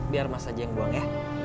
biar mas aja yang buang ya